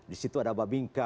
di situ ada babingkam